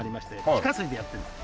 地下水でやってるんです。